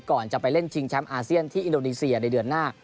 ก่อนจะไปเล่นชิงแชมป์อาเซียนที่อินโดนีเซียในเดือนหน้า